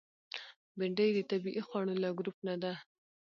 بېنډۍ د طبیعي خوړو له ګروپ نه ده